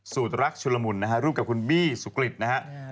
สูตรรักษ์ชุลมุนรูปกับคุณบีสุกฤทธิ์นะครับ